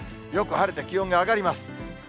よく晴れて気温が上がります。